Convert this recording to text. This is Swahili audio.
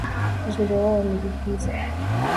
Uzuri wao umepiliza